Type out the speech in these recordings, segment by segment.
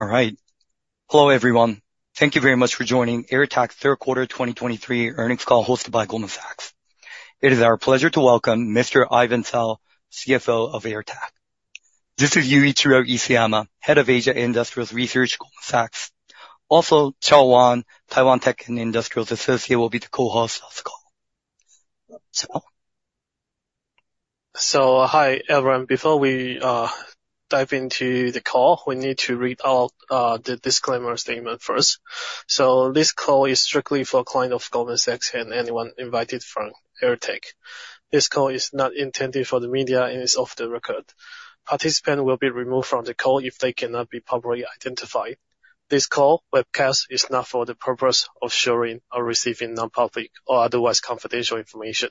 All right. Hello, everyone. Thank you very much for joining AirTAC third quarter 2023 earnings call, hosted by Goldman Sachs. It is our pleasure to welcome Mr. Ivan Tsao, CFO of AirTAC. This is Yuichiro Isayama, Head of Asia Industrials Research, Goldman Sachs. Also, Chao Wang, Taiwan Tech and Industrials Associate, will be the co-host of the call. Chao? So, hi, everyone. Before we dive into the call, we need to read out the disclaimer statement first. So this call is strictly for client of Goldman Sachs and anyone invited from AirTAC. This call is not intended for the media and is off the record. Participants will be removed from the call if they cannot be publicly identified. This call, webcast, is not for the purpose of sharing or receiving non-public or otherwise confidential information.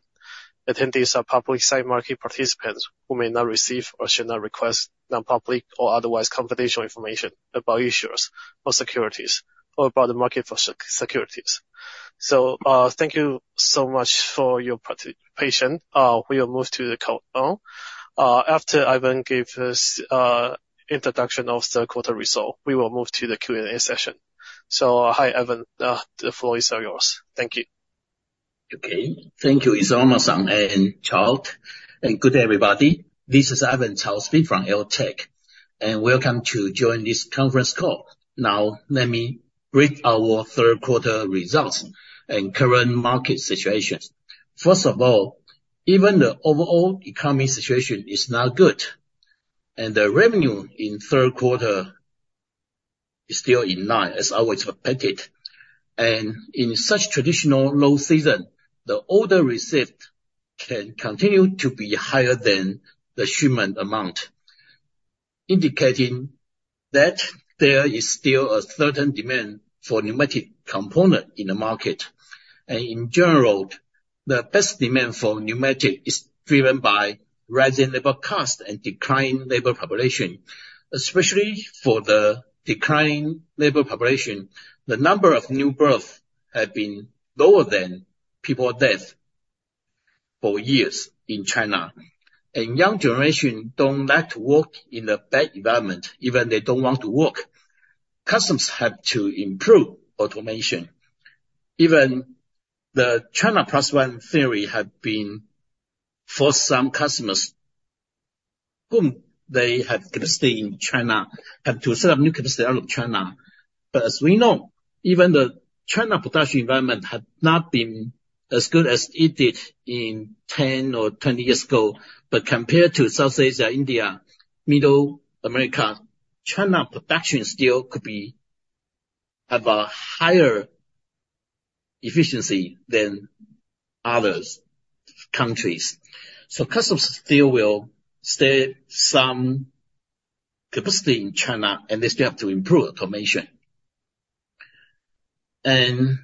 Attendees are public side market participants who may not receive or should not request non-public or otherwise confidential information about issuers or securities or about the market for securities. So thank you so much for your participation. We will move to the call now. After Ivan gave his introduction of the quarter result, we will move to the Q&A session. Hi, Ivan, the floor is all yours. Thank you. Okay. Thank you, Isayama-san and Chao, and good day, everybody. This is Ivan Tsao speaking from AirTAC, and welcome to join this conference call. Now, let me read our third quarter results and current market situations. First of all, even the overall economic situation is not good, and the revenue in third quarter is still in line, as I always expected. In such traditional low season, the order received can continue to be higher than the shipment amount, indicating that there is still a certain demand for pneumatic component in the market. In general, the best demand for pneumatic is driven by rising labor cost and declining labor population. Especially for the declining labor population, the number of new births have been lower than people death for years in China. Young generation don't like to work in a bad environment, even they don't want to work. Customers have to improve automation. Even the China Plus One theory has been, for some customers, who have capacity in China, have to set up new capacity out of China. But as we know, even the China production environment has not been as good as it did in 10 or 20 years ago. But compared to South Asia, India, Middle America, China production still could be, have a higher efficiency than other countries. So customers still will stay some capacity in China, and they still have to improve automation. And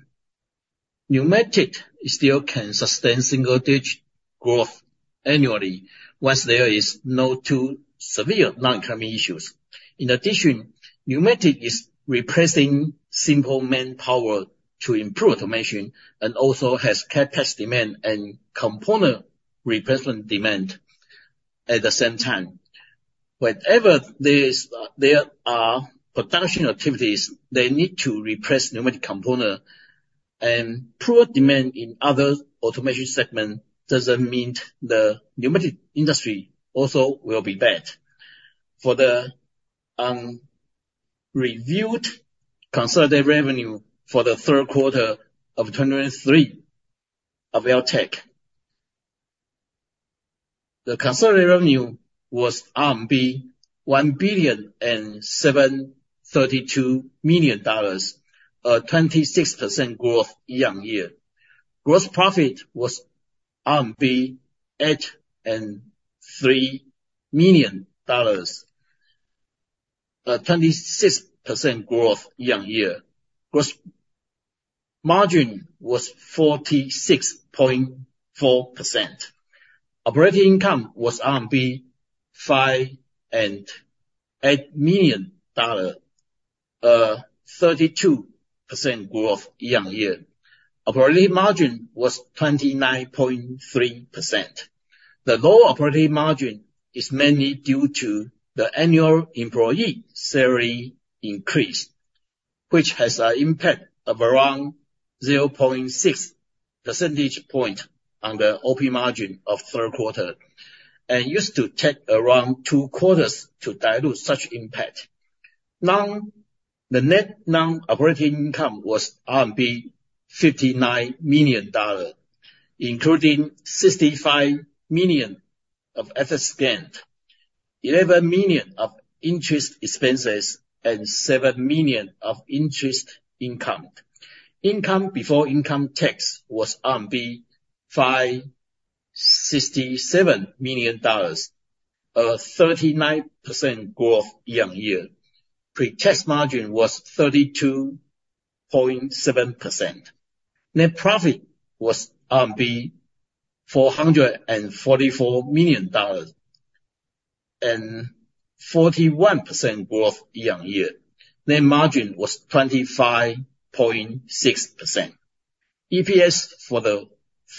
pneumatic still can sustain single digit growth annually once there is not too severe non-economic issues. In addition, pneumatic is replacing simple manpower to improve automation and also has capacity demand and component replacement demand at the same time. Whenever there are production activities, they need to replace pneumatic component, and poor demand in other automation segment doesn't mean the pneumatic industry also will be bad. For the reviewed consolidated revenue for the third quarter of 2023 of AirTAC, the consolidated revenue was RMB 1.732 billion, a 26% growth year-on-year. Gross profit was RMB 83 million, a 26% growth year-on-year. Gross margin was 46.4%. Operating income was RMB 58 million, a 32% growth year-on-year. Operating margin was 29.3%. The low operating margin is mainly due to the annual employee salary increase, which has an impact of around 0.6 percentage point on the OP margin of third quarter, and used to take around 2 quarters to dilute such impact. Now, the net non-operating income was RMB 59 million, including 65 million of other spend, 11 million of interest expenses, and 7 million of interest income. Income before income tax was RMB 567 million, a 39% growth year-on-year. Pre-tax margin was 32.7%. Net profit was RMB 444 million, and 41% growth year-on-year. Net margin was 25.6%. EPS for the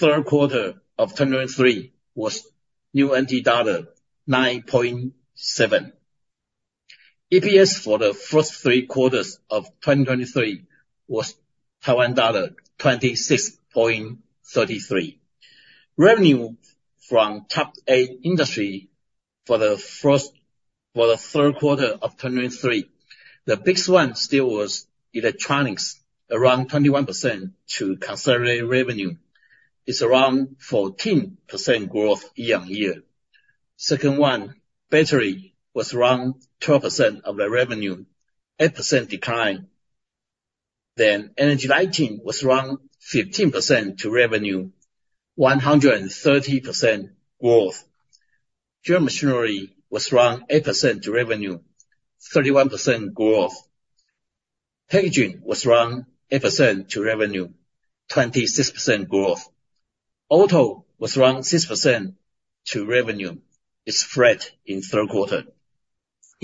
third quarter of 2023 was TWD 9.7. EPS for the first three quarters of 2023 was Taiwan dollar 26.33. Revenue from top eight industry for the third quarter of 2023, the biggest one still was electronics, around 21% to consolidate revenue. It's around 14% growth year-over-year. Second one, battery, was around 12% of the revenue, 8% decline. Then energy lighting was around 15% to revenue, 130% growth. General machinery was around 8% to revenue, 31% growth. Packaging was around 8% to revenue, 26% growth. Auto was around 6% to revenue. It's flat in third quarter,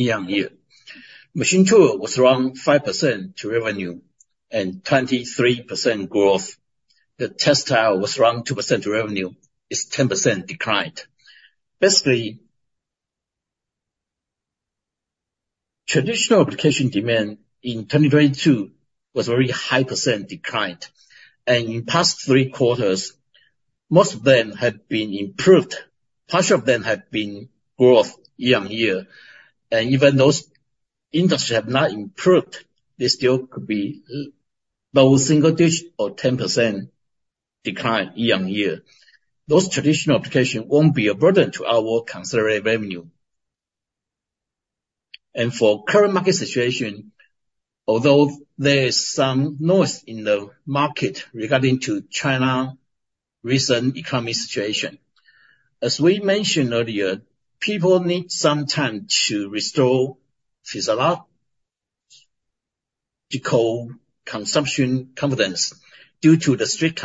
year-over-year. Machine tool was around 5% to revenue and 23% growth. The textile was around 2% to revenue. It's 10% decline. Basically, traditional application demand in 2022 was very high percent decline, and in past three quarters, most of them have been improved. Part of them have been growth year-over-year, and even those industries have not improved, they still could be below single digits or 10% decline year-over-year. Those traditional applications won't be a burden to our consolidated revenue. For current market situation, although there is some noise in the market regarding China's recent economic situation, as we mentioned earlier, people need some time to restore psychological consumption confidence due to the strict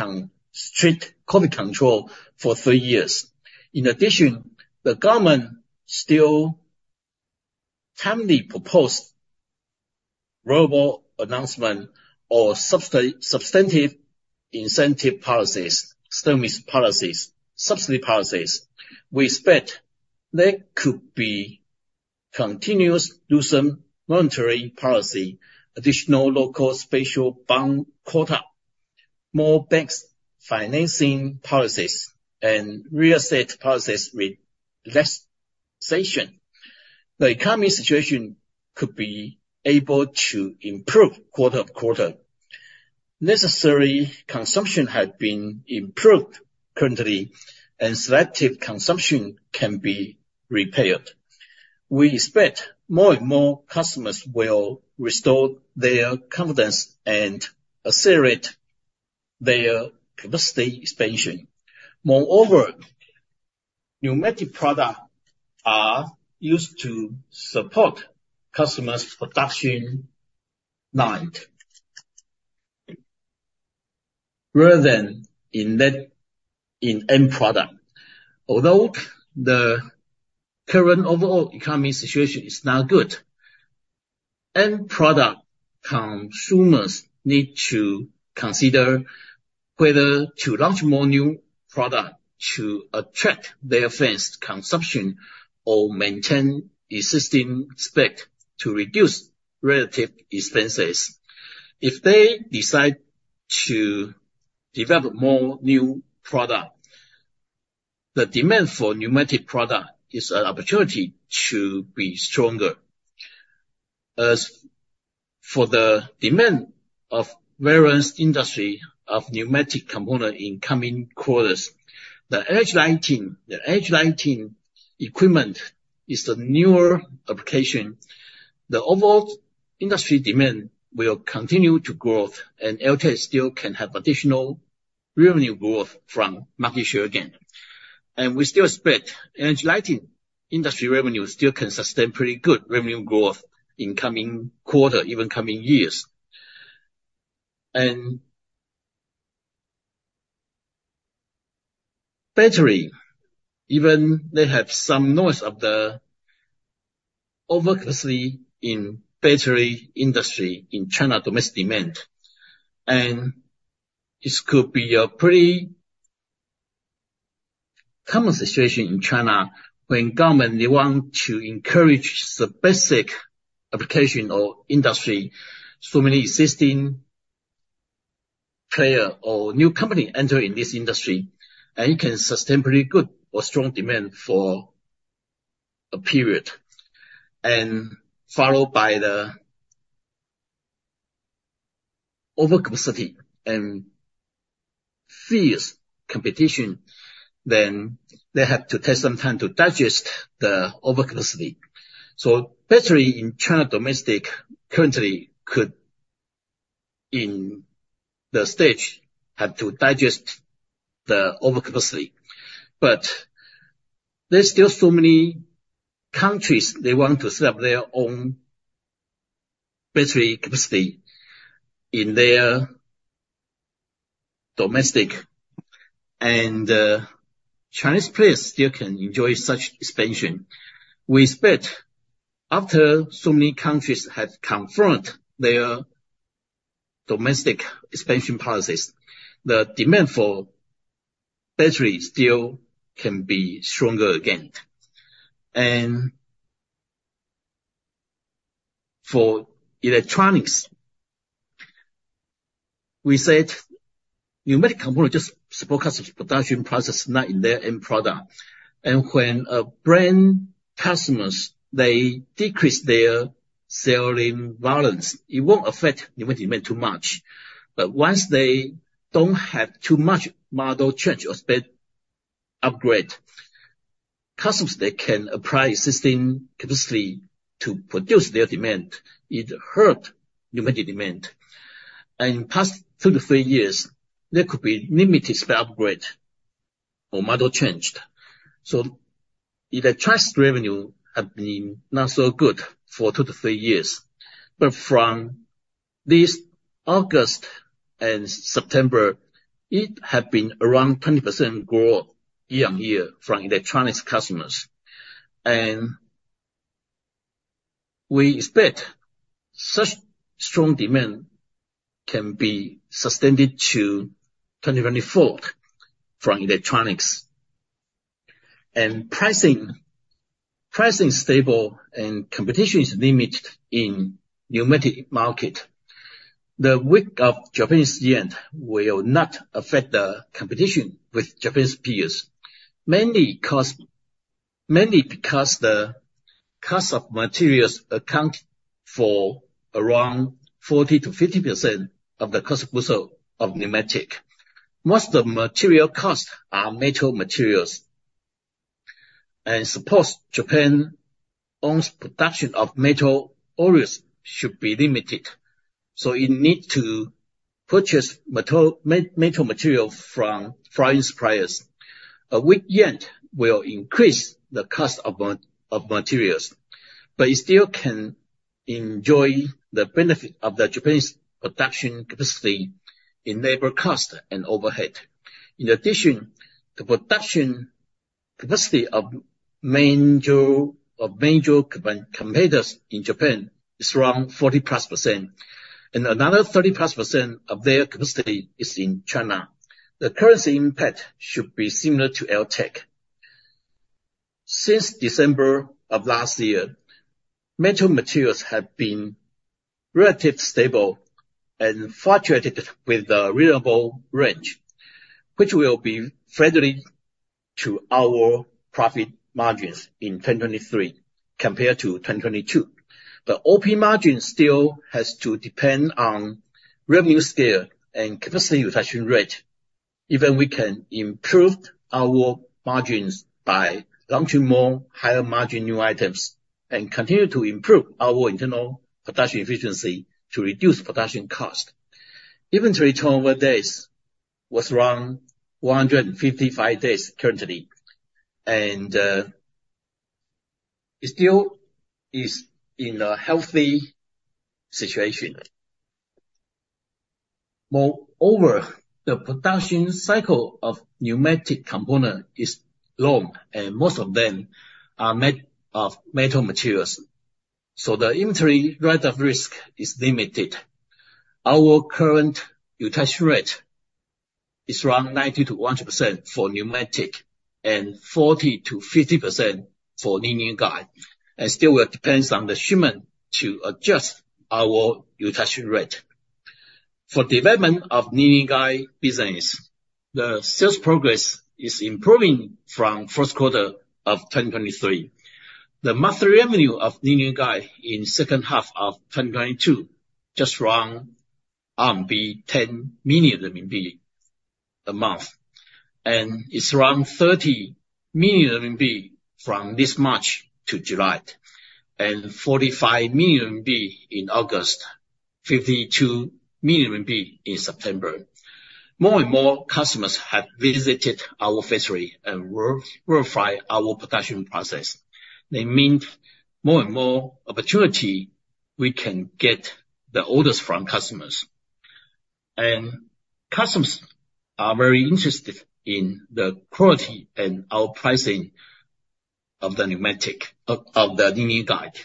COVID control for three years. In addition, the government still timely proposes global announcements or substantive incentive policies, stimulus policies, subsidy policies. We expect there could be continuous loosening monetary policy, additional local special bond quota, more bank financing policies, and real estate policies with less restriction. The economic situation could be able to improve quarter-over-quarter. Necessary consumption has been improved currently, and selective consumption can be repaired. We expect more and more customers will restore their confidence and accelerate their capacity expansion. Moreover, pneumatic products are used to support customers' production line, rather than in that, in end product. Although the current overall economic situation is not good, end product consumers need to consider whether to launch more new product to attract their pent-up consumption or maintain existing spec to reduce relative expenses. If they decide to develop more new product, the demand for pneumatic product is an opportunity to be stronger. As for the demand of various industry of pneumatic component in coming quarters, the edge lighting, the edge lighting equipment is the newer application. The overall industry demand will continue to growth, and AirTAC still can have additional revenue growth from market share again. And we still expect edge lighting industry revenue still can sustain pretty good revenue growth in coming quarter, even coming years. And battery, even they have some noise of the overcapacity in battery industry in China domestic demand, and this could be a pretty common situation in China, when government, they want to encourage the basic application or industry, so many existing player or new company enter in this industry, and it can sustain pretty good or strong demand for a period, and followed by the overcapacity and fierce competition, then they have to take some time to digest the overcapacity. So battery in China domestic currently could, in the stage, have to digest the overcapacity. But there's still so many countries, they want to set up their own battery capacity in their domestic-... And, Chinese players still can enjoy such expansion. We expect after so many countries have confirmed their domestic expansion policies, the demand for battery still can be stronger again. For electronics, we said pneumatic component just support production process, not in their end product. When brand customers, they decrease their selling volumes, it won't affect pneumatic demand too much. But once they don't have too much model change or spec upgrade, customers, they can apply existing capacity to produce their demand. It hurt pneumatic demand. In the past two to three years, there could be limited spec upgrade or model changed. So electronics revenue have been not so good for two to three years. But from this August and September, it had been around 20% growth year-over-year from electronics customers. And we expect such strong demand can be sustained to 2024 from electronics. And pricing, pricing is stable and competition is limited in pneumatic market. The weakness of the Japanese yen will not affect the competition with Japanese peers, mainly 'cause, mainly because the cost of materials account for around 40%-50% of the cost of goods of pneumatic. Most of the material costs are metal materials. Suppose Japan owns production of metal always should be limited, so it need to purchase metal material from foreign suppliers. A weak yen will increase the cost of materials, but it still can enjoy the benefit of the Japanese production capacity in labor cost and overhead. In addition, the production capacity of major competitors in Japan is around 40%+, and another 30%+ of their capacity is in China. The currency impact should be similar to AirTAC. Since December of last year, metal materials have been relatively stable and fluctuated with a reasonable range, which will be friendly to our profit margins in 2023 compared to 2022. The OP margin still has to depend on revenue scale and capacity utilization rate, even we can improve our margins by launching more higher margin new items, and continue to improve our internal production efficiency to reduce production cost. Inventory turnover days was around 155 days currently, and, it still is in a healthy situation. Moreover, the production cycle of pneumatic component is long, and most of them are made of metal materials, so the inventory rate of risk is limited. Our current utilization rate is around 90%-100% for pneumatic and 40%-50% for linear guide, and still it depends on the demand to adjust our utilization rate. For development of linear guide business, the sales progress is improving from first quarter of 2023. The monthly revenue of linear guide in second half of 2022, just around 10 million RMB a month. It's around 30 million RMB from this March to July, and 45 million RMB in August, 52 million RMB in September. More and more customers have visited our factory and verify our production process. They mean more and more opportunity we can get the orders from customers. And customers are very interested in the quality and our pricing of the linear guide.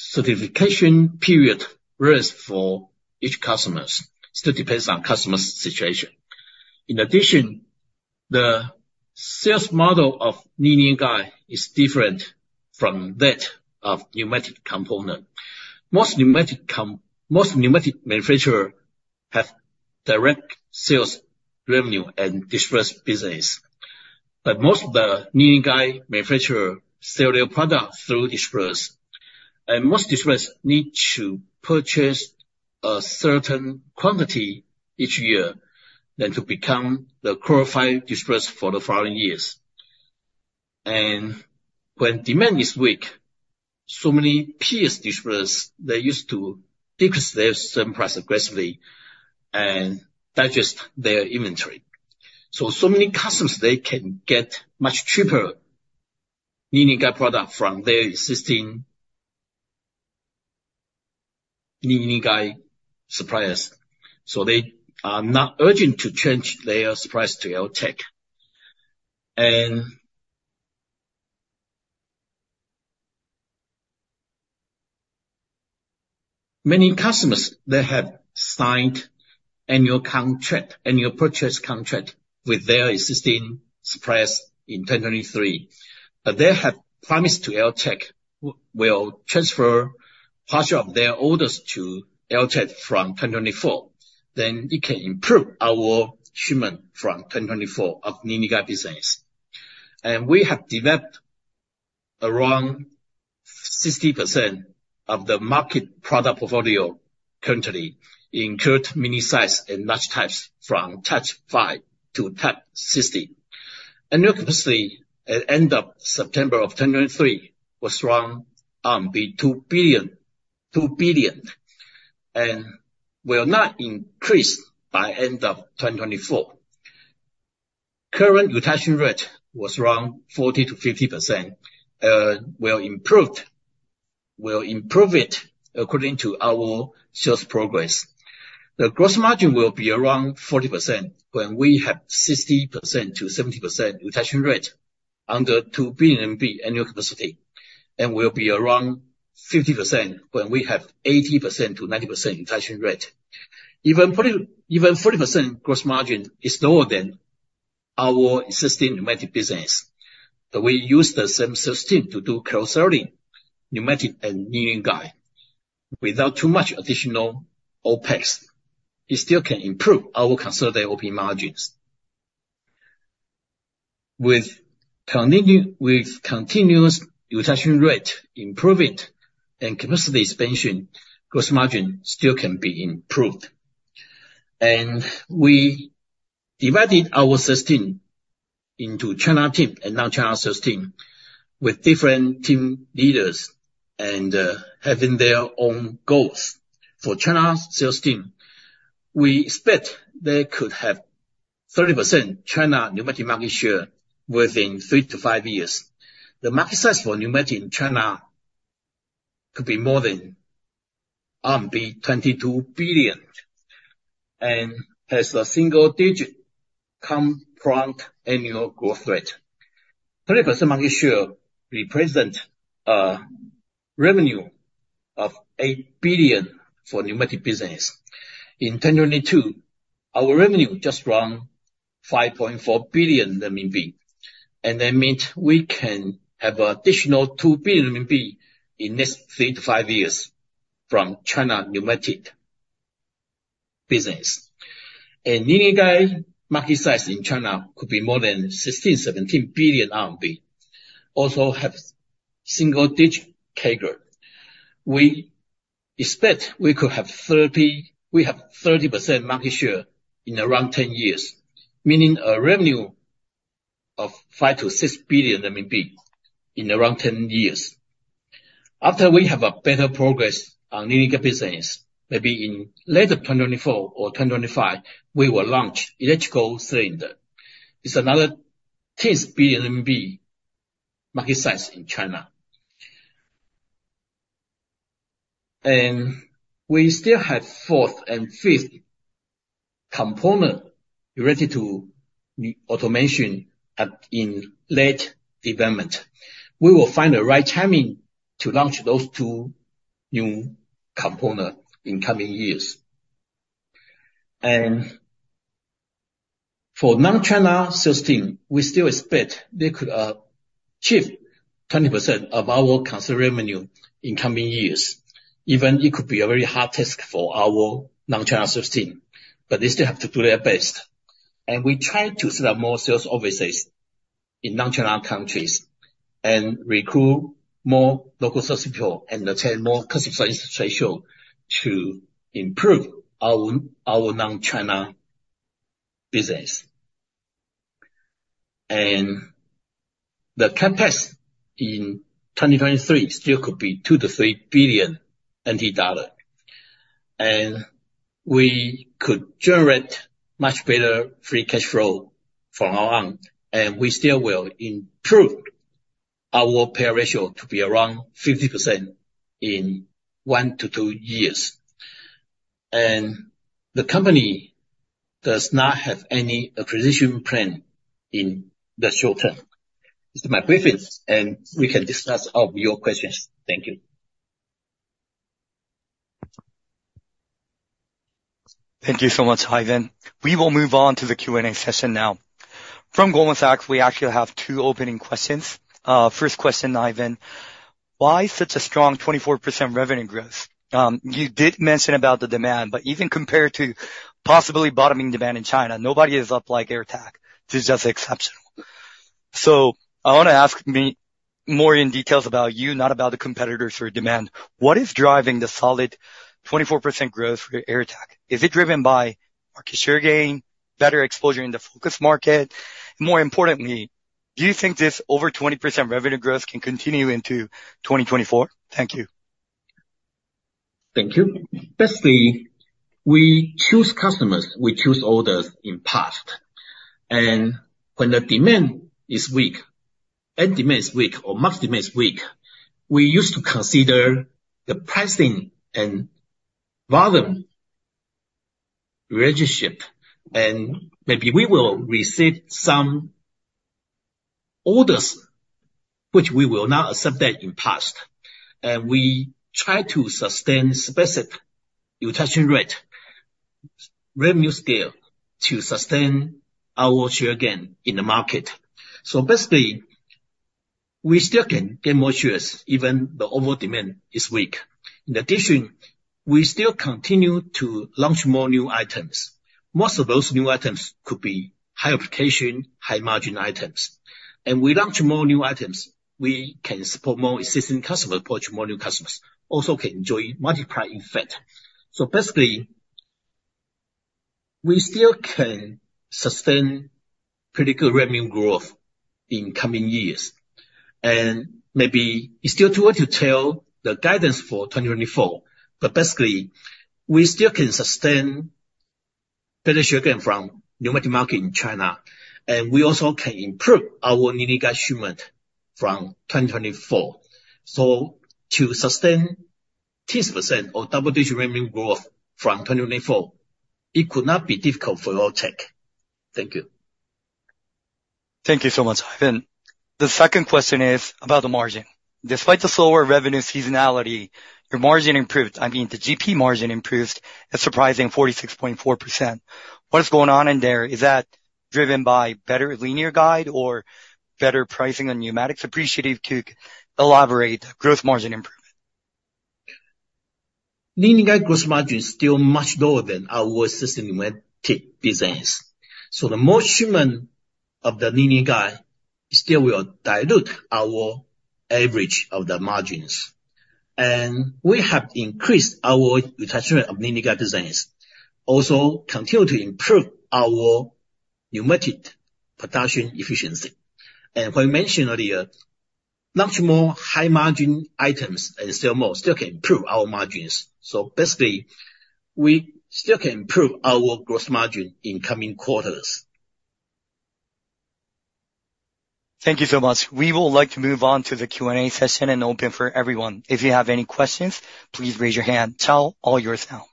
Certification period varies for each customers, still depends on customers' situation. In addition, the sales model of linear guide is different from that of pneumatic component. Most pneumatic manufacturers have direct sales revenue and distribution business, but most of the linear guide manufacturers sell their products through distributors. Most distributors need to purchase a certain quantity each year in order to become the qualified distributors for the following years. When demand is weak, so many of these distributors, they used to decrease their selling price aggressively and digest their inventory. So, so many customers, they can get much cheaper linear guide products from their existing or new linear guide suppliers, so they are not urgent to change their supplier to AirTAC. Many customers, they have signed annual contract, annual purchase contract with their existing suppliers in 2023. But they have promised to AirTAC, we'll transfer part of their orders to AirTAC from 2024, then it can improve our shipment from 2024 of linear guide business. We have developed around 60% of the market product portfolio currently in current mini size and large types from Type 5 to Type 60. Annual capacity at end of September 2023 was around 2 billion, 2 billion, and will not increase by end of 2024. Current utilization rate was around 40%-50%, will improved, will improve it according to our sales progress. The gross margin will be around 40% when we have 60%-70% utilization rate under 2 billion annual capacity, and will be around 50% when we have 80%-90% utilization rate. Even 40, even 40% gross margin is lower than our existing pneumatic business, but we use the same system to do cross-selling, pneumatic and linear guide. Without too much additional OpEx, it still can improve our consolidated operating margins. With continuous utilization rate improvement and capacity expansion, gross margin still can be improved. We divided our sales team into China team and non-China sales team, with different team leaders and having their own goals. For China's sales team, we expect they could have 30% China pneumatic market share within three to five years. The market size for pneumatic in China could be more than 22 billion, and has a single digit compound annual growth rate. 30% market share represent a revenue of 8 billion for pneumatic business. In 2022, our revenue just around 5.4 billion RMB, and that means we can have additional 2 billion RMB in next three to five years from China pneumatic business. Linear guide market size in China could be more than 16 billion-17 billion RMB, also have single digit CAGR. We expect we could have 30% market share in around 10 years, meaning a revenue of CNY 5 billion-CNY 6 billion in around 10 years. After we have a better progress on linear guide business, maybe in later 2024 or 2025, we will launch electrical cylinder. It's another 10 billion RMB market size in China. We still have fourth and fifth component related to automation in late development. We will find the right timing to launch those two new component in coming years. For non-China sales team, we still expect they could achieve 20% of our considered revenue in coming years. Even it could be a very hard task for our non-China sales team, but they still have to do their best. We try to set up more sales offices in non-China countries, and recruit more local sales people, and attain more customer installation show to improve our non-China business. The CapEx in 2023 still could be 2 billion-3 billion NT dollar, and we could generate much better free cash flow from our end, and we still will improve our payout ratio to be around 50% in one to two years. The company does not have any acquisition plan in the short term. This is my briefing, and we can discuss of your questions. Thank you. Thank you so much, Ivan. We will move on to the Q&A session now. From Goldman Sachs, we actually have two opening questions. First question, Ivan, why such a strong 24% revenue growth? You did mention about the demand, but even compared to possibly bottoming demand in China, nobody is up like AirTAC. This is just exceptional. So I want to ask me more in details about you, not about the competitors or demand. What is driving the solid 24% growth for AirTAC? Is it driven by market share gain, better exposure in the focus market? More importantly, do you think this over 20% revenue growth can continue into 2024? Thank you.... Thank you. Basically, we choose customers, we choose orders in part. When the demand is weak, end demand is weak or mass demand is weak, we used to consider the pricing and volume relationship, and maybe we will receive some orders which we will not accept that in past. We try to sustain specific utilization rate, revenue scale, to sustain our share gain in the market. So basically, we still can get more shares even the overall demand is weak. In addition, we still continue to launch more new items. Most of those new items could be high application, high margin items. We launch more new items, we can support more existing customer, approach more new customers, also can enjoy multiplying effect. So basically, we still can sustain pretty good revenue growth in coming years. Maybe it's still too early to tell the guidance for 2024, but basically, we still can sustain better share gain from pneumatic market in China, and we also can improve our linear guide shipment from 2024. So to sustain 10% or double-digit revenue growth from 2024, it could not be difficult for our AirTAC. Thank you. Thank you so much, Ivan. The second question is about the margin. Despite the slower revenue seasonality, your margin improved. I mean, the GP margin improved a surprising 46.4%. What is going on in there? Is that driven by better linear guide or better pricing on pneumatics? Appreciative to elaborate gross margin improvement. Linear guide gross margin is still much lower than our existing pneumatic designs. So the more shipment of the linear guide still will dilute our average of the margins. And we have increased our utilization of linear guide designs, also continue to improve our pneumatic production efficiency. And what I mentioned earlier, much more high margin items and sell more, still can improve our margins. So basically, we still can improve our gross margin in coming quarters. Thank you so much. We would like to move on to the Q&A session and open for everyone. If you have any questions, please raise your hand. Chao It's all yours now.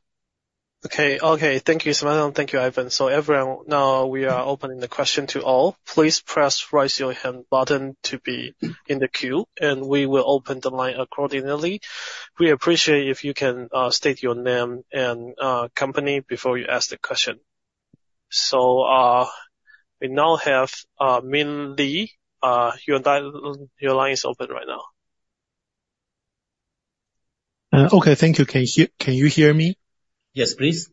Okay. Okay, thank you so much, and thank you, Ivan. So everyone, now we are opening the question to all. Please press raise your hand button to be in the queue, and we will open the line accordingly. We appreciate if you can state your name and company before you ask the question. So, we now have Ming Lee. Your dial, your line is open right now. Okay. Thank you. Can you, can you hear me? Yes, please.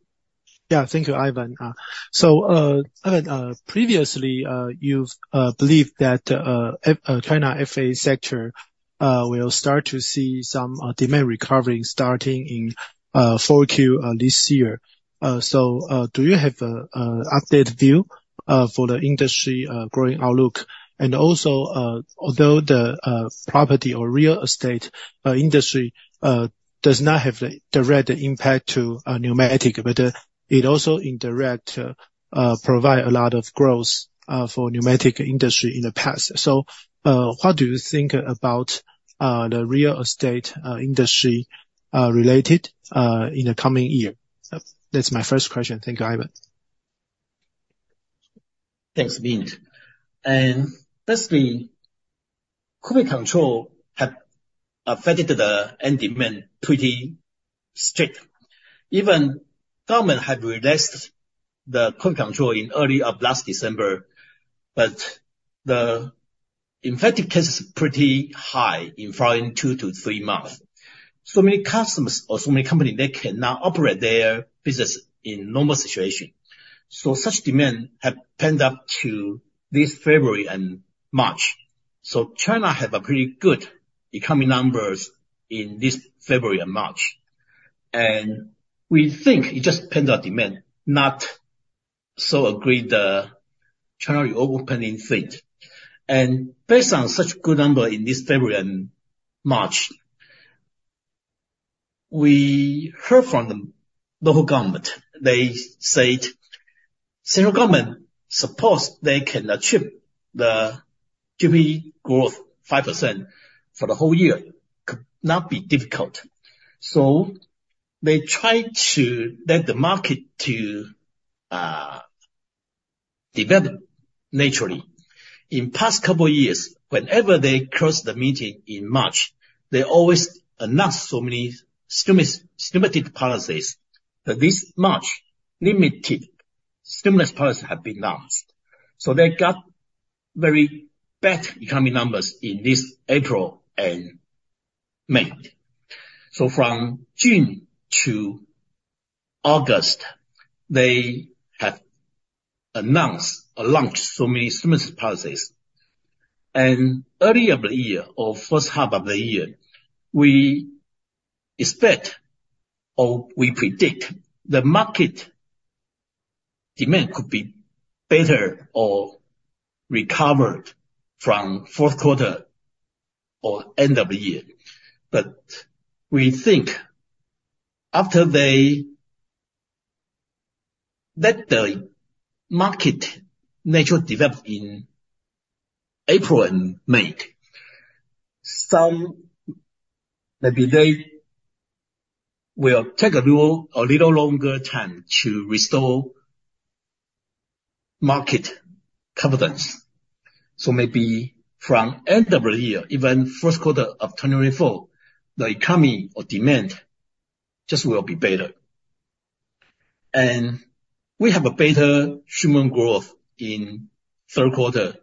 Yeah. Thank you, Ivan. So, Ivan, previously, you've believed that China FA sector will start to see some demand recovery starting in 4Q this year. So, do you have an updated view for the industry growing outlook? And also, although the property or real estate industry does not have the direct impact to pneumatic, but it also indirect provide a lot of growth for pneumatic industry in the past. So, what do you think about the real estate industry related in the coming year? That's my first question. Thank you, Ivan. Thanks, Ming. And basically, COVID control have affected the end demand pretty strict. Even government have relaxed the COVID control in early of last December, but the infected case is pretty high in following two to three months. So many customers or so many company, they cannot operate their business in normal situation. So such demand have pent up to this February and March. So China have a pretty good economy numbers in this February and March, and we think it just pent up demand, not so agreed the China reopening fate. And based on such good number in this February and March, we heard from the local government, they said central government supports, they can achieve the GP growth 5% for the whole year, could not be difficult. So they try to let the market to develop naturally. In the past couple of years, whenever they closed the meeting in March, they always announce so many stimulus, stimulative policies. But this March, limited stimulus policies have been announced, so they got very bad economy numbers in this April and May. So from June to August, they have announced or launched so many stimulus policies. And early in the year or first half of the year, we expect or we predict the market demand could be better or recovered from fourth quarter or end of the year. But we think after they let the market natural develop in April and May, some, maybe they will take a little, a little longer time to restore market confidence. So maybe from end of the year, even first quarter of 2024, the economy or demand just will be better. And we have a better human growth in third quarter.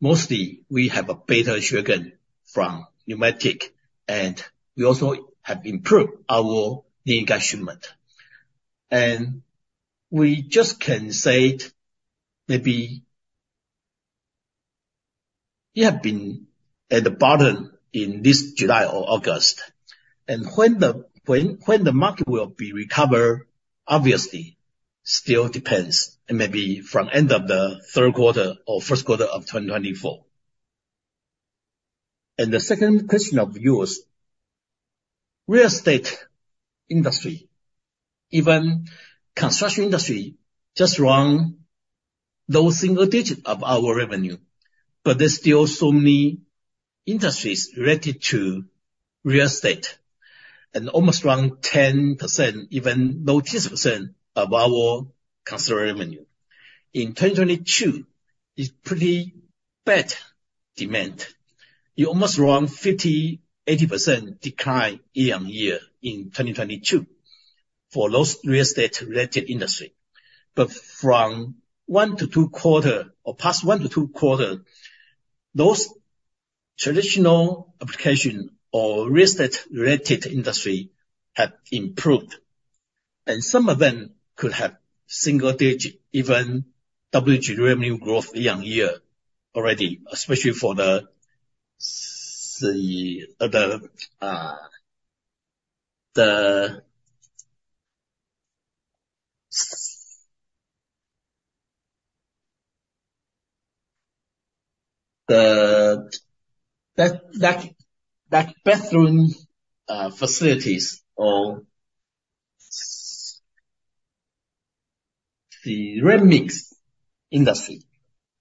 Mostly, we have a better shipment from pneumatic, and we also have improved our linear shipment. We just can say, maybe, it have been at the bottom in this July or August. When the, when, when the market will be recovered, obviously, still depends, and maybe from end of the third quarter or first quarter of 2024. The second question of yours, real estate industry, even construction industry, just run those single digit of our revenue. But there's still so many industries related to real estate, and almost around 10%, even 14% of our construction revenue. In 2022, is pretty bad demand. You almost run 50%-80% decline year-on-year in 2022 for those real estate-related industry. But from one to two quarter or past one to two quarter, those traditional application or real estate-related industry have improved, and some of them could have single-digit, even double-digit revenue growth year-on-year already, especially for the bathroom facilities or the ceramics industry.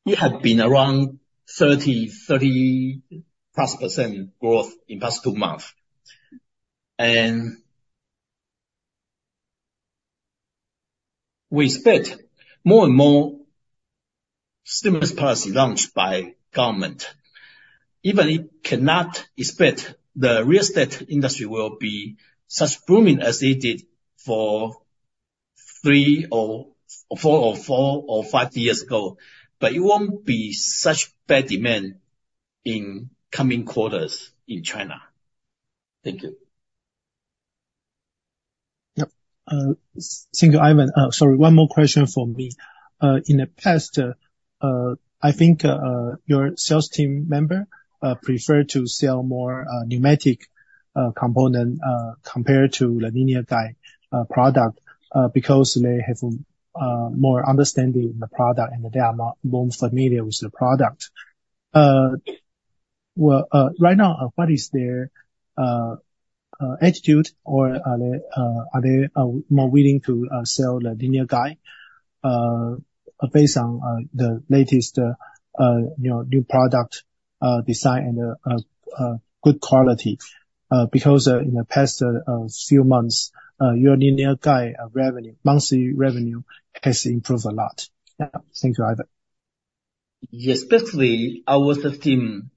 It had been around 30, 30-plus% growth in past two months. And we expect more and more stimulus policy launched by government. Even it cannot expect the real estate industry will be as booming as it did for three or four, or four or five years ago, but it won't be such bad demand in coming quarters in China. Thank you. Yep, thank you, Ivan. Sorry, one more question for me. In the past, I think, your sales team member prefer to sell more pneumatic component compared to the linear guide product, because they have more understanding in the product, and they are not more familiar with the product. Well, right now, what is their attitude, or are they more willing to sell the linear guide based on the latest, you know, new product design and good quality? Because, in the past few months, your linear guide revenue, monthly revenue has improved a lot. Yeah. Thank you, Ivan. Yes, especially our sales team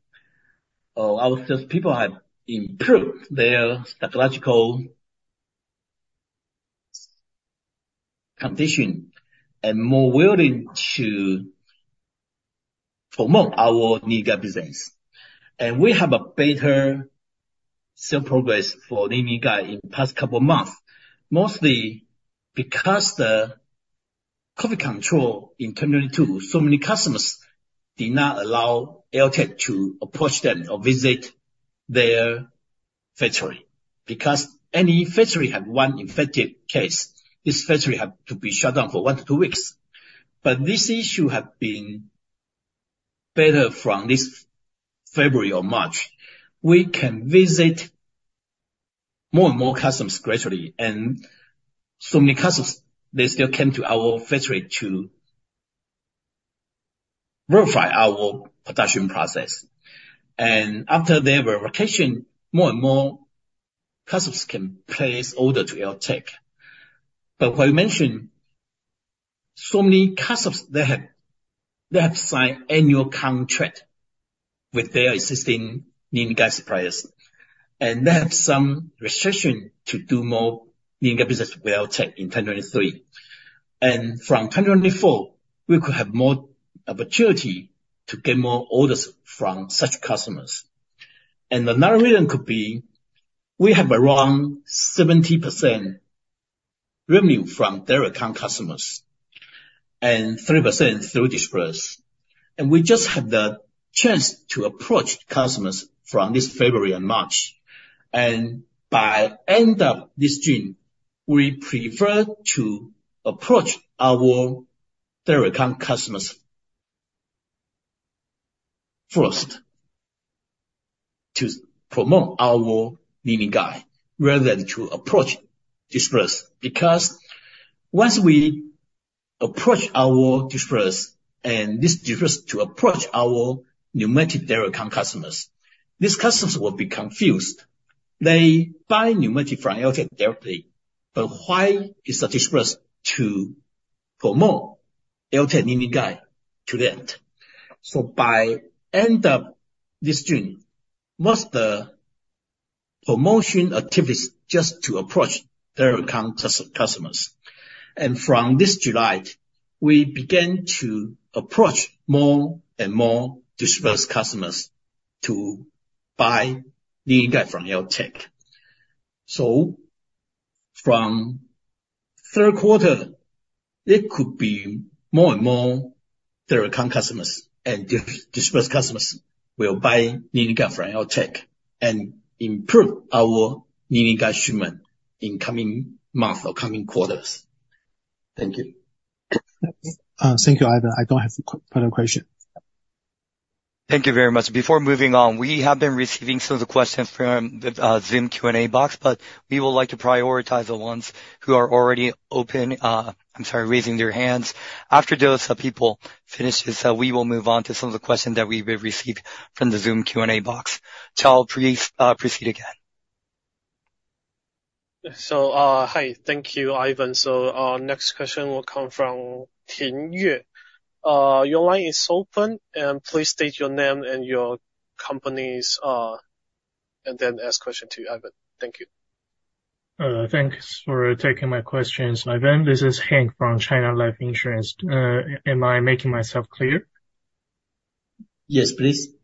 or our sales people have improved their psychological condition and more willing to promote our linear guide business. We have a better sales progress for linear guide in the past couple of months, mostly because the COVID control in 2022, so many customers did not allow AirTAC to approach them or visit their factory. Because any factory have one infected case, this factory have to be shut down for one to two weeks. But this issue have been better from this February or March. We can visit more and more customers gradually, and so many customers, they still came to our factory to verify our production process. And after their verification, more and more customers can place order to AirTAC. But what I mentioned, so many customers, they have, they have signed annual contract with their existing linear guide suppliers, and they have some restriction to do more linear business with AirTAC in 2023. And from 2024, we could have more opportunity to get more orders from such customers. And another reason could be, we have around 70% revenue from their account customers and 30% through distributors, and we just had the chance to approach customers from this February and March. And by end of this June, we prefer to approach our direct account customers first, to promote our linear guide, rather than to approach distributors. Because once we approach our distributors, and this distributors to approach our pneumatic direct account customers, these customers will be confused. They buy pneumatic from AirTAC directly, but why is the distributors to promote AirTAC linear guide to that? So by end of this June, most the promotion activities just to approach direct account customers. And from this July, we began to approach more and more distributors customers to buy linear guide from AirTAC. So from third quarter, it could be more and more direct account customers and distributors customers will buy linear guide from AirTAC and improve our linear guide shipment in coming month or coming quarters. Thank you. Thank you, Ivan. I don't have further question. Thank you very much. Before moving on, we have been receiving some of the questions from the, Zoom Q&A box, but we would like to prioritize the ones who are already open, I'm sorry, raising their hands. After those, people finishes, we will move on to some of the questions that we've received from the Zoom Q&A box. Chao, please, proceed again. So, hi, thank you, Ivan. Our next question will come from Hank Hu. Your line is open, and please state your name and your company's, and then ask question to Ivan. Thank you. Thanks for taking my questions, Ivan. This is Hank from China Life Insurance. Am I making myself clear? Yes, please.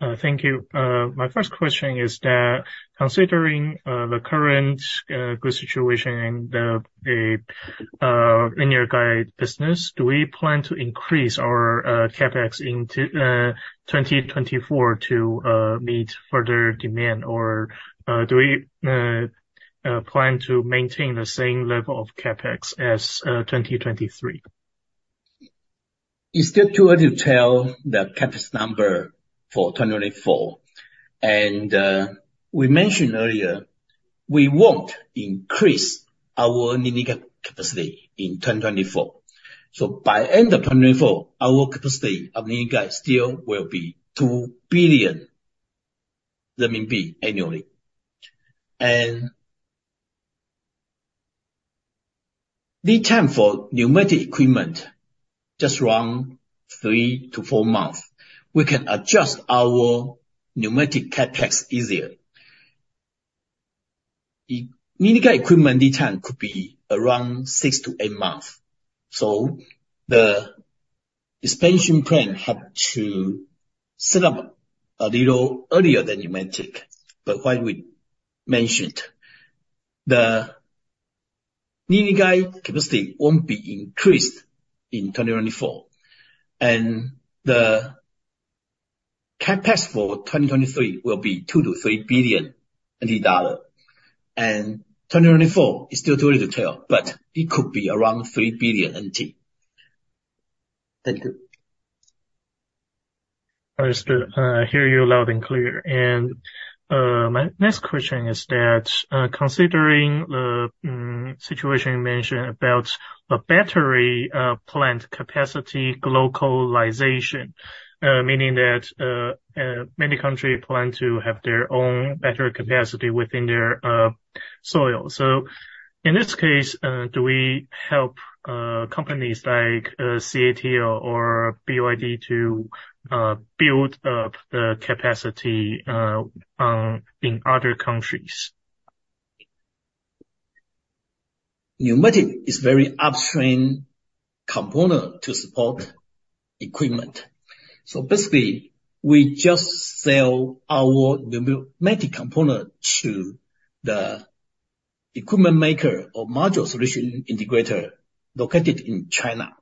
Thank you. My first question is that, considering the current good situation in the linear guide business, do we plan to increase our CapEx into 2024 to meet further demand? Or, do we plan to maintain the same level of CapEx as 2023? It's still too early to tell the CapEx number for 2024. And we mentioned earlier, we won't increase our linear guide capacity in 2024. So by end of 2024, our capacity of linear guide still will be 2 billion renminbi annually. And lead time for pneumatic equipment, just around three to four months. We can adjust our pneumatic CapEx easier. Linear guide equipment lead time could be around six to eight months, so the expansion plan have to set up a little earlier than pneumatic. But what we mentioned, the linear guide capacity won't be increased in 2024, and the CapEx for 2023 will be 2 billion-3 billion billion NT dollar. And 2024, it's still too early to tell, but it could be around 3 billion NT. Thank you. Understood. I hear you loud and clear. My next question is that, considering the situation you mentioned about the battery plant capacity localization, meaning that many countries plan to have their own battery capacity within their soil. So in this case, do we help companies like CATL or BYD to build up the capacity in other countries? Pneumatic is very upstream component to support equipment. So basically, we just sell our pneumatic component to the equipment maker or module solution integrator located in China.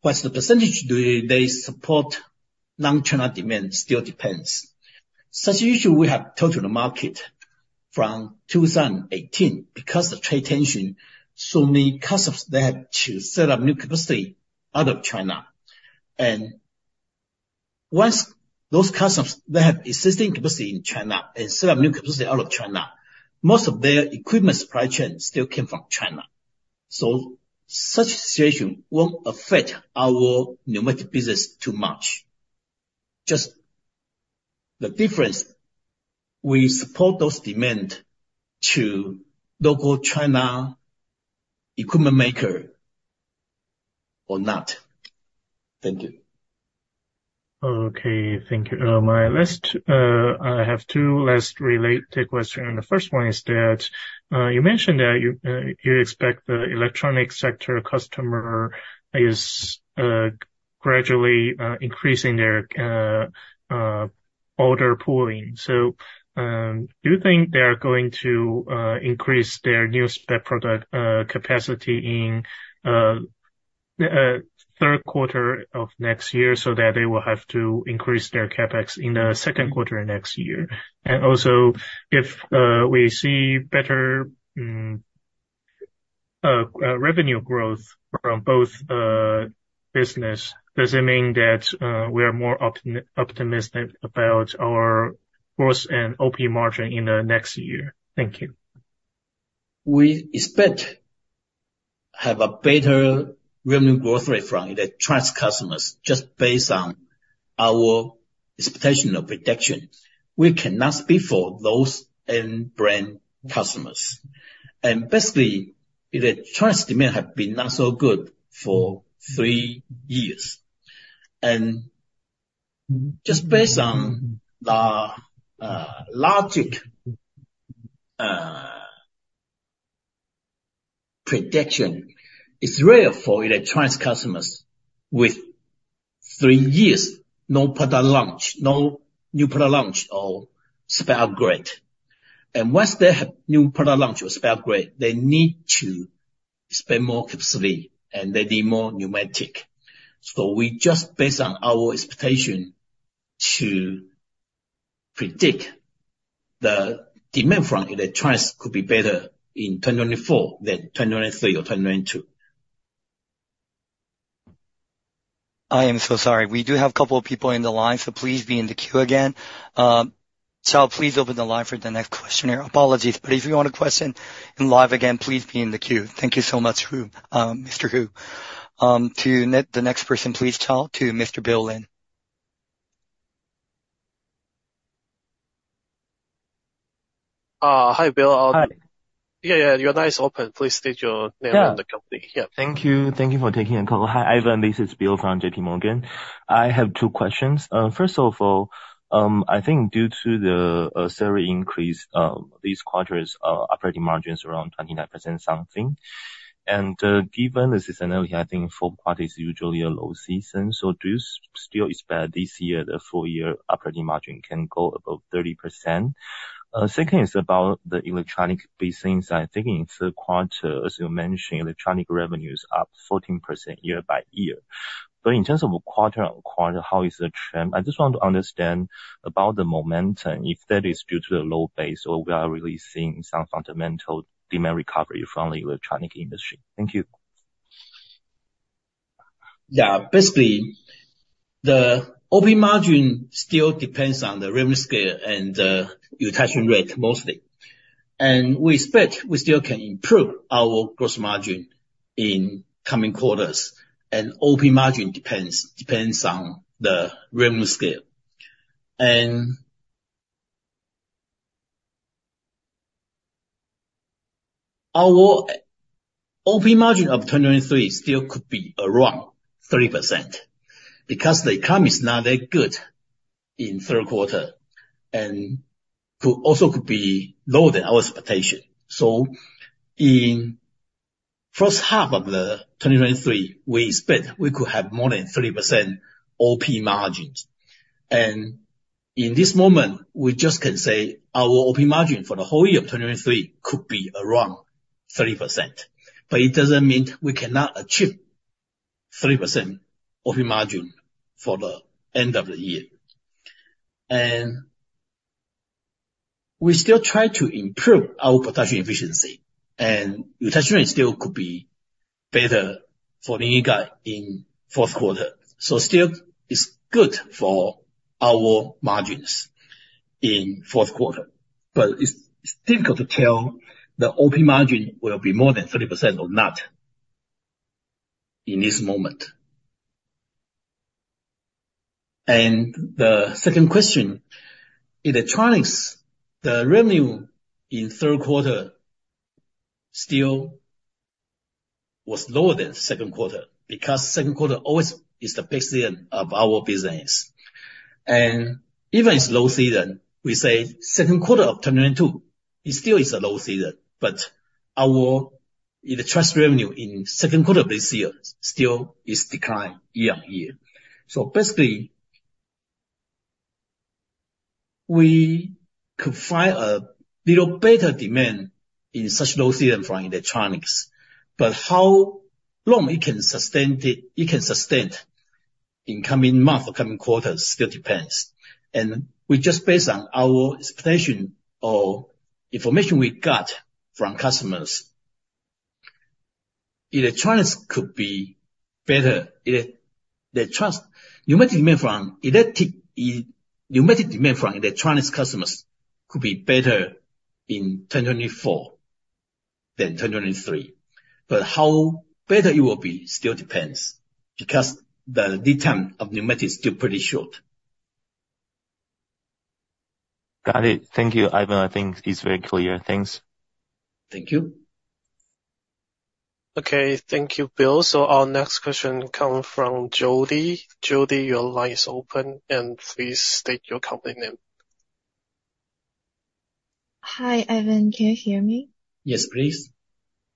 What's the percentage do they support non-China demand? Still depends. Such issue we have told to the market from 2018, because the trade tension, so many customers, they have to set up new capacity out of China. And once those customers, they have existing capacity in China and set up new capacity out of China, most of their equipment supply chain still came from China. So such situation won't affect our pneumatic business too much. Just the difference, we support those demand to local China equipment maker or not. Thank you. Okay, thank you. My last, I have two last related question, and the first one is that you mentioned that you expect the electronic sector customer is gradually increasing their order pooling. So, do you think they are going to increase their new spec product capacity in third quarter of next year, so that they will have to increase their CapEx in the second quarter of next year? And also, if we see better revenue growth from both business, does it mean that we are more optimistic about our growth and OP margin in the next year? Thank you. We expect have a better revenue growth rate from the brand customers, just based on our expectation of reduction. We cannot speak for those end brand customers. Basically, the trans demand have been not so good for three years. Just based on the logic, prediction, it's rare for electronics customers with three years, no product launch, no new product launch or spec upgrade. Once they have new product launch or spec upgrade, they need to spend more capacity and they need more pneumatic. So we just based on our expectation to predict the demand from electronics could be better in 2024 than 2023 or 2022. I am so sorry. We do have a couple of people in the line, so please be in the queue again. So please open the line for the next questioner. Apologies, but if you want to question in live again, please be in the queue. Thank you so much, Hu, Mr. Hu. To net the next person, please talk to Mr. Bill Lin. Hi, Bill. Hi. Yeah, yeah, your line is open. Please state your name. Yeah. - and the company. Yeah. Thank you. Thank you for taking the call. Hi, Ivan, this is Bill from JPMorgan. I have two questions. First of all, I think due to the salary increase, these quarters, operating margin is around 29% something. Given the seasonality, I think fourth quarter is usually a low season, so do you still expect this year, the full year operating margin can go above 30%? Second is about the electronic business. I'm thinking it's a quarter, as you mentioned, electronic revenues up 14% year-over-year. But in terms of quarter-over-quarter, how is the trend? I just want to understand about the momentum, if that is due to the low base, or we are really seeing some fundamental demand recovery from the electronic industry. Thank you. Yeah. Basically, the OP margin still depends on the revenue scale and utilization rate, mostly. We expect we still can improve our gross margin in coming quarters, and OP margin depends, depends on the revenue scale. Our OP margin of 2023 still could be around 30%, because the economy is not that good in third quarter, and could, also could be lower than our expectation. So in first half of 2023, we expect we could have more than 30% OP margins. In this moment, we just can say our OP margin for the whole year of 2023 could be around 30%, but it doesn't mean we cannot achieve 30% OP margin for the end of the year. We still try to improve our production efficiency, and utilization rate still could be better for linear in fourth quarter. Still, it's good for our margins in fourth quarter, but it's still difficult to tell the OP margin will be more than 30% or not in this moment. The second question, electronics, the revenue in third quarter still was lower than second quarter, because second quarter always is the peak season of our business. Even it's low season, we say second quarter of 2022, it still is a low season, but our electronics revenue in second quarter of this year still is declined year-over-year. Basically, we could find a little better demand in such low season from electronics, but how long it can sustain in coming months or coming quarters still depends. We just based on our expectation or information we got from customers, electronics could be better. Pneumatic demand from electronics customers could be better in 2024 than 2023. But how better it will be still depends, because the lead time of pneumatic is still pretty short. Got it. Thank you, Ivan. I think it's very clear. Thanks. Thank you. Okay, thank you, Bill. So our next question come from Jody. Jody, your line is open, and please state your company name.... Hi, Ivan, can you hear me? Yes, please.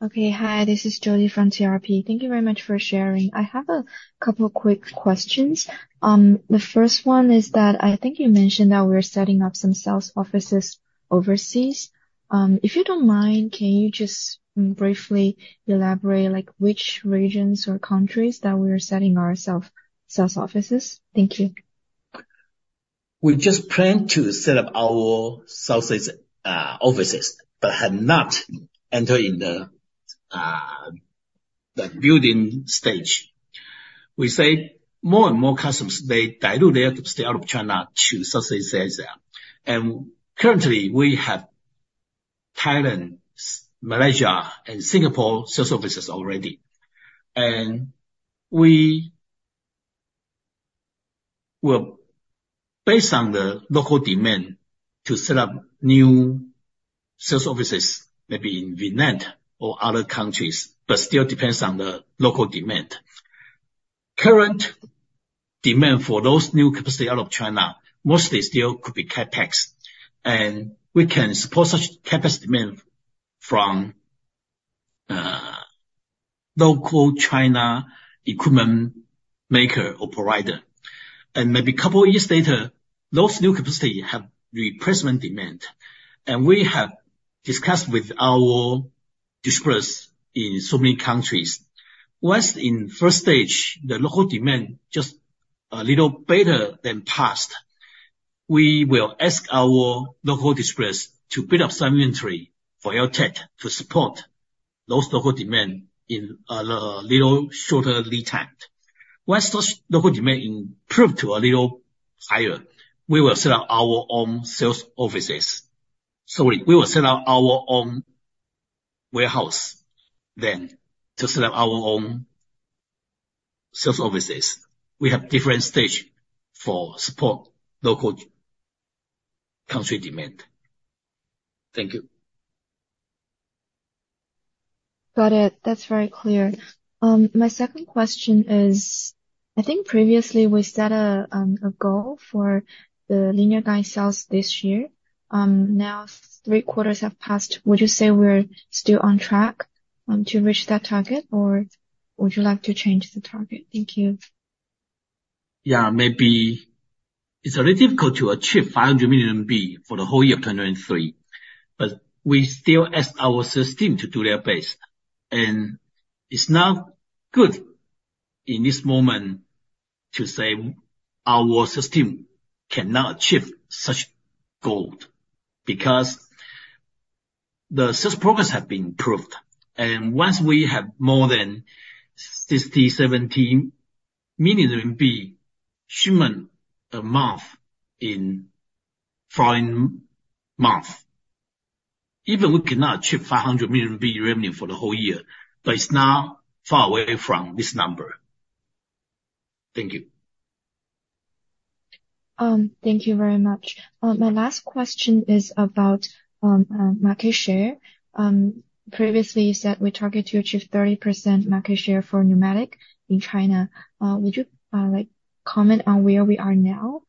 Okay. Hi, this is Jody from CRP. Thank you very much for sharing. I have a couple quick questions. The first one is that I think you mentioned that we're setting up some sales offices overseas. If you don't mind, can you just briefly elaborate, like, which regions or countries that we are setting up our sales offices? Thank you. We just plan to set up our sales offices, but have not entered in the building stage. We say more and more customers, they dilute their capacity out of China to Southeast Asia. And currently, we have Thailand, Malaysia, and Singapore sales offices already. And we will, based on the local demand, to set up new sales offices, maybe in Vietnam or other countries, but still depends on the local demand. Current demand for those new capacity out of China, mostly still could be CapEx, and we can support such CapEx demand from local China equipment maker or provider. And maybe couple years later, those new capacity have replacement demand. And we have discussed with our distributors in so many countries. Once in first stage, the local demand just a little better than past, we will ask our local distributors to build up some inventory for AirTAC to support those local demand in a little shorter lead time. Once those local demand improve to a little higher, we will set up our own sales offices. Sorry, we will set up our own warehouse then, to set up our own sales offices. We have different stage for support local country demand. Thank you. Got it. That's very clear. My second question is, I think previously we set a goal for the linear guide sales this year. Now three quarters have passed. Would you say we're still on track to reach that target, or would you like to change the target? Thank you. Yeah, maybe it's a little difficult to achieve 500 million for the whole year of 2023, but we still ask our sales team to do their best. It's not good in this moment to say our sales team cannot achieve such goal, because the sales progress have been improved. And once we have more than 60 million-70 million shipment a month in following month, even we cannot achieve 500 million revenue for the whole year, but it's not far away from this number. Thank you. Thank you very much. My last question is about market share. Previously, you said we target to achieve 30% market share for pneumatic in China. Would you, like, comment on where we are now?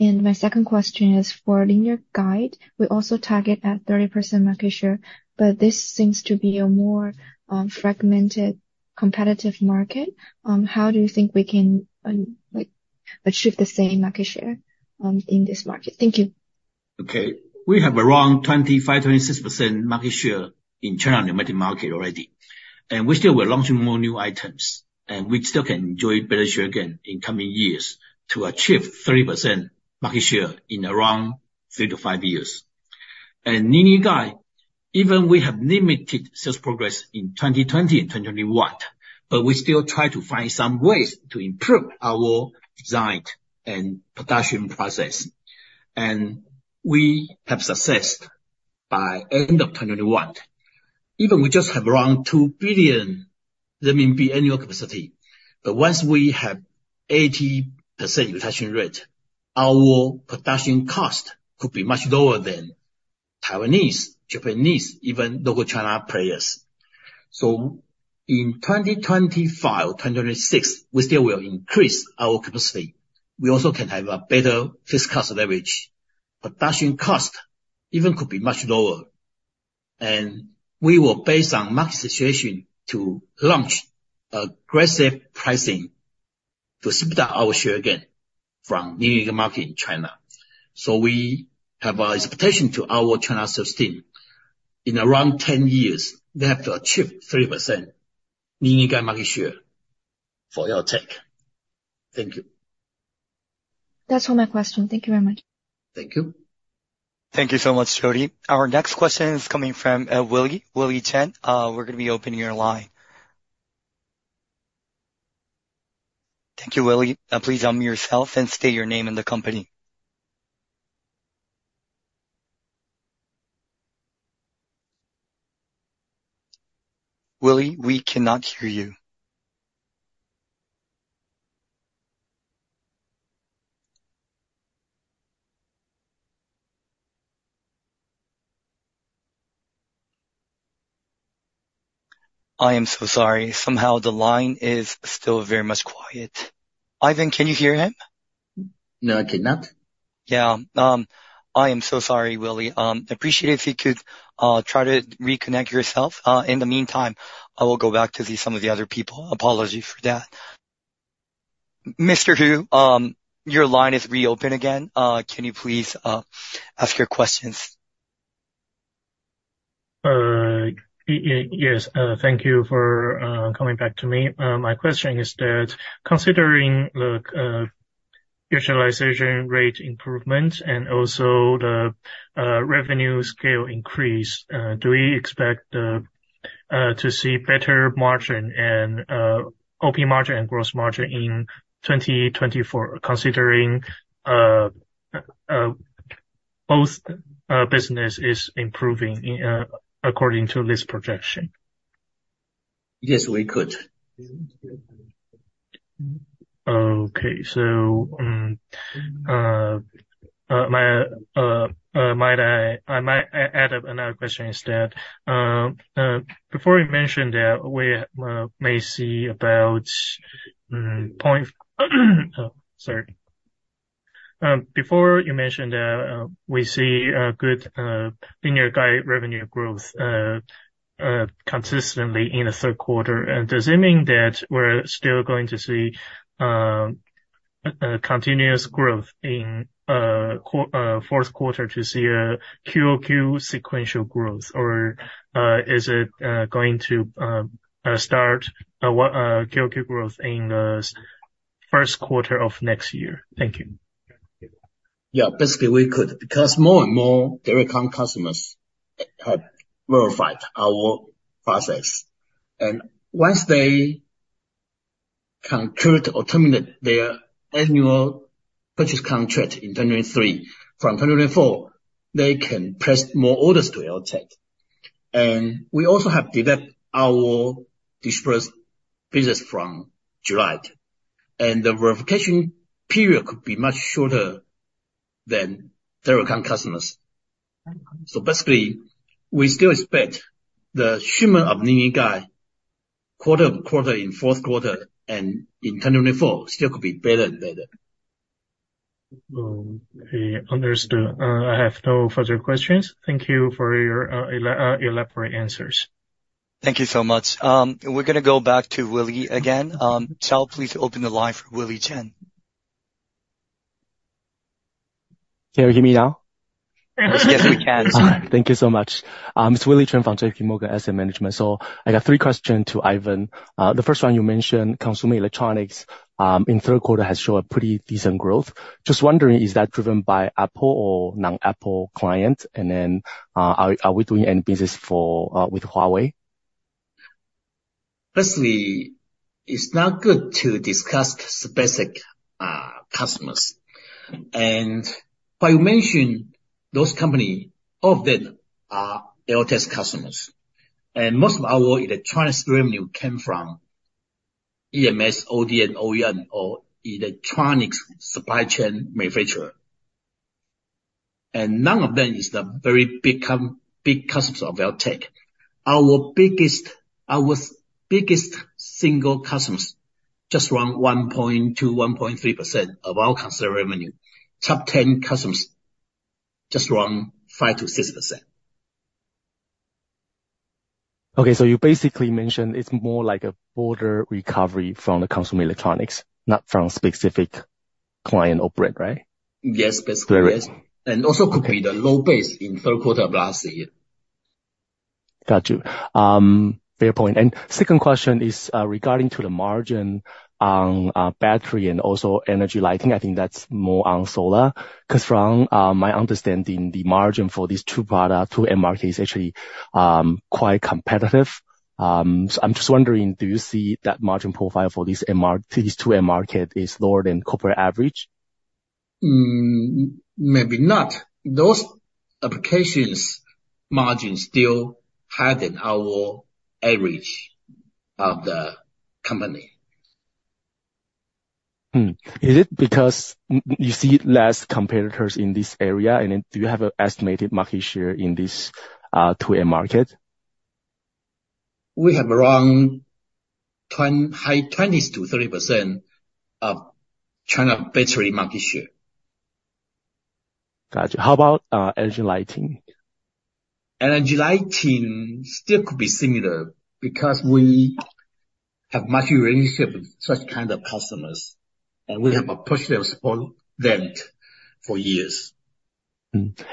And my second question is, for linear guide, we also target at 30% market share, but this seems to be a more fragmented, competitive market. How do you think we can, like, achieve the same market share in this market? Thank you. Okay. We have around 25%-26% market share in China pneumatic market already, and we still were launching more new items. We still can enjoy better share gain in coming years to achieve 30% market share in around three to five years. Linear guide, even we have limited sales progress in 2020 and 2021, but we still try to find some ways to improve our design and production process. We have success by end of 2021. Even we just have around 2 billion RMB annual capacity, but once we have 80% utilization rate, our production cost could be much lower than Taiwanese, Japanese, even local China players. So in 2025-2026, we still will increase our capacity. We also can have a better fixed cost leverage. Production cost even could be much lower, and we will base on market situation to launch aggressive pricing to speed up our share gain from linear guide market in China. So we have an expectation to our China sales team, in around 10 years, they have to achieve 30% linear guide market share for AirTAC. Thank you. That's all my question. Thank you very much. Thank you. Thank you so much, Jody. Our next question is coming from, Willie, Willie Chen. We're gonna be opening your line. Thank you, Willie. Please unmute yourself and state your name and the company. Willy, we cannot hear you.... I am so sorry. Somehow the line is still very much quiet. Ivan, can you hear him? No, I cannot. Yeah, I am so sorry, Willie. Appreciate if you could try to reconnect yourself. In the meantime, I will go back to some of the other people. Apology for that. Mr. Hu, your line is reopened again. Can you please ask your questions? Yes. Thank you for coming back to me. My question is that, considering the utilization rate improvement and also the revenue scale increase, do we expect to see better margin and OP margin and gross margin in 2024, considering both business is improving according to this projection? Yes, we could. Okay. So, might I add another question instead. Before you mentioned that we see a good linear guide revenue growth consistently in the third quarter. And does it mean that we're still going to see a continuous growth in fourth quarter to see a QoQ sequential growth? Or, is it going to start QoQ growth in the first quarter of next year? Thank you. Yeah. Basically, we could, because more and more direct account customers have verified our process. Once they conclude or terminate their annual purchase contract in 2023, from 2024, they can place more orders to AirTAC. We also have developed our dispersed business from July, and the verification period could be much shorter than direct account customers. So basically, we still expect the shipment this quarter in the fourth quarter and in 2024, still could be better than that. Oh, okay. Understood. I have no further questions. Thank you for your elaborate answers. Thank you so much. We're gonna go back to Willie again. Charles, please open the line for Willie Chen. Can you hear me now? Yes, we can. Thank you so much. It's Willie Chen from JPMorgan Asset Management. So I got three questions to Ivan. The first one, you mentioned consumer electronics in third quarter has shown a pretty decent growth. Just wondering, is that driven by Apple or non-Apple client? And then, are we doing any business for with Huawei? Firstly, it's not good to discuss specific customers. But you mentioned those company, all of them are AirTAC's customers, and most of our electronics revenue came from EMS, ODM, OEM, or electronics supply chain manufacturer. None of them is the very big big customers of AirTAC. Our biggest, our biggest single customers, just around 1.2%, 1.3% of our consumer revenue. Top ten customers, just around 5%-6%. Okay, so you basically mentioned it's more like a broader recovery from the consumer electronics, not from specific client uptake, right? Yes, basically, yes. Great. And also could be the low base in third quarter of last year. Got you. Fair point. And second question is, regarding to the margin on, battery and also energy lighting. I think that's more on solar, 'cause from, my understanding, the margin for these two products, two end markets, actually, quite competitive. So I'm just wondering, do you see that margin profile for these two MR market is lower than corporate average? Maybe not. Those applications margins still higher than our average of the company. Hmm. Is it because you see less competitors in this area? And then do you have an estimated market share in this two A market? We have around high 20s to 30% of China battery market share. Got you. How about, energy lighting? Energy lighting still could be similar, because we have much relationship with such kind of customers, and we have pushed them, support them for years.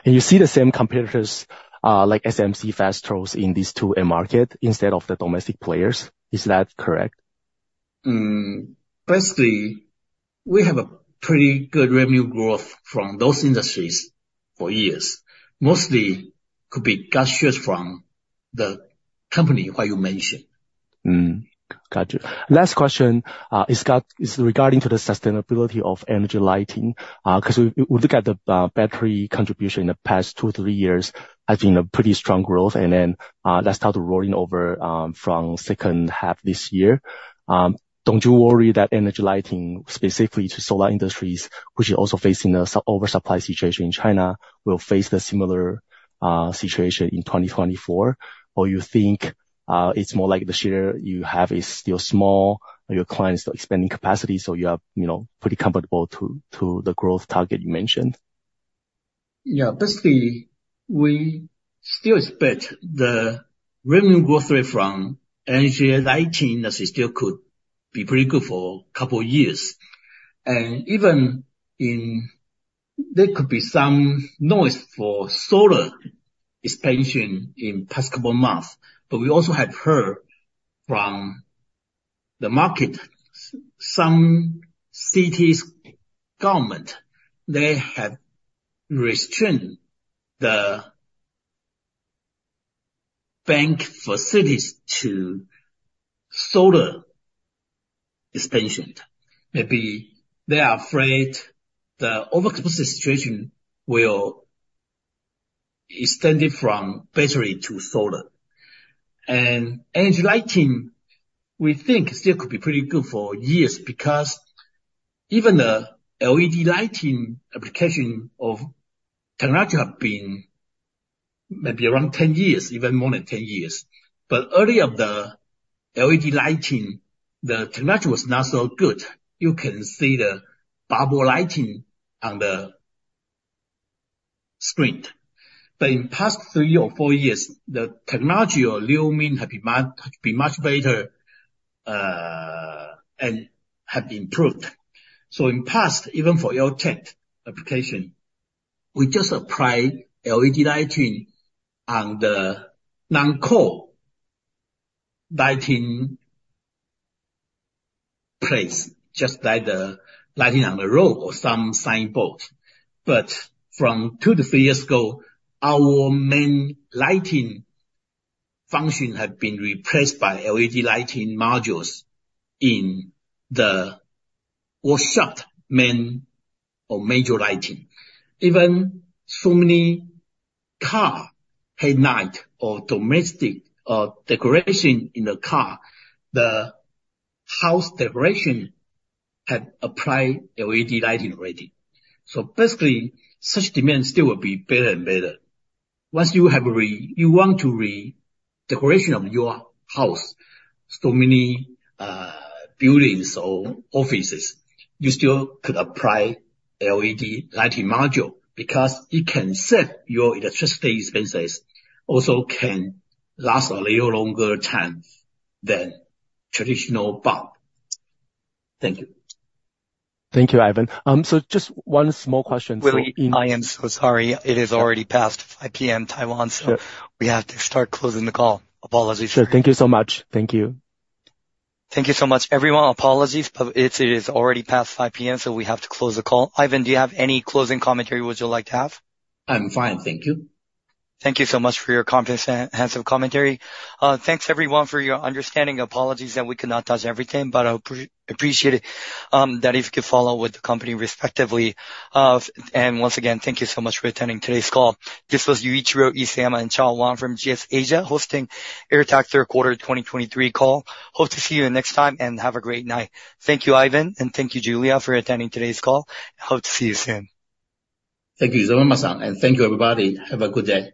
You see the same competitors, like SMC, Festo in these two end market instead of the domestic players? Is that correct? Firstly, we have a pretty good revenue growth from those industries for years. Mostly could be guesses from the company who you mentioned. Got you. Last question is regarding the sustainability of energy lighting. Because we look at the battery contribution in the past two, three years has been a pretty strong growth, and then that started rolling over from second half this year. Don't you worry that energy lighting, specifically to solar industries, which are also facing an oversupply situation in China, will face the similar situation in 2024, or you think it's more like the share you have is still small, or your clients are expanding capacity, so you are, you know, pretty comfortable to the growth target you mentioned? Yeah, basically, we still expect the revenue growth rate from energy lighting, as it still could be pretty good for a couple of years. Even in, there could be some noise for solar expansion in past couple of months, but we also have heard from the market, some cities' government, they have restrained the bank facilities to solar expansion. Maybe they are afraid the overcapacity situation will extend it from battery to solar. And energy lighting, we think still could be pretty good for years, because even the LED lighting application of technology have been maybe around 10 years, even more than 10 years. But early of the LED lighting, the technology was not so good. You can see the bubble lighting on the screen. But in past three or four years, the technology or illumination have been much, been much better, and have improved. So in past, even for old tech application, we just applied LED lighting on the non-core lighting place, just like the lighting on the road or some signboard. But from two to three years ago, our main lighting function have been replaced by LED lighting modules in the workshop, main or major lighting. Even so many car headlight or domestic, decoration in the car, the house decoration have applied LED lighting already. So basically, such demand still will be better and better. Once you have re- you want to redecoration of your house, so many, buildings or offices, you still could apply LED lighting module, because it can save your electricity expenses, also can last a little longer time than traditional bulb. Thank you. Thank you, Ivan. So just one small question? William, I am so sorry. It is already past 5:00 P.M. Taiwan, so- Sure. We have to start closing the call. Apologies. Sure. Thank you so much. Thank you. Thank you so much, everyone. Apologies, but it's already past 5:00 P.M., so we have to close the call. Ivan, do you have any closing commentary would you like to have? I'm fine, thank you. Thank you so much for your comprehensive commentary. Thanks everyone for your understanding. Apologies that we could not touch everything, but I appreciate it, that if you could follow with the company respectively. And once again, thank you so much for attending today's call. This was Yuichiro Isayama and Chao Wang from GS Asia, hosting AirTAC third quarter 2023 call. Hope to see you next time, and have a great night. Thank you, Ivan, and thank you, Julia, for attending today's call. I hope to see you soon. Thank you, Isayama-san, and thank you, everybody. Have a good day.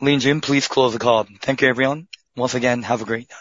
Lin Jun, please close the call. Thank you, everyone. Once again, have a great night.